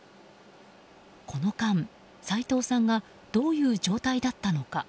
この間、齋藤さんがどういう状態だったのか。